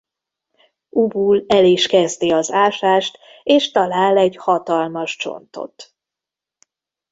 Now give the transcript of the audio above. Ubul el is kezdi az ásást és talál egy hatalmas csontot.